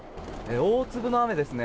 大粒の雨ですね。